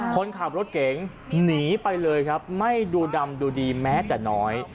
คนขับรถเก๋งหนีไปเลยครับไม่ดูดำดูดีแม้แต่น้อย